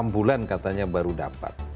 enam bulan katanya baru dapat